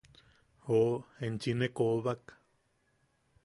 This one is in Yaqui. –¡Joo, enchi ne koobak!